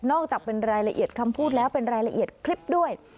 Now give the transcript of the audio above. อกจากเป็นรายละเอียดคำพูดแล้วเป็นรายละเอียดคลิปด้วย